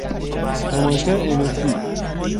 نمایشگر ام اف دی